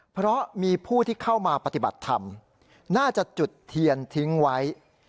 เพราะมีผู้ที่เข้ามาปฏิบัติธรรมน่าจะจุดเทียนทิ้งไว้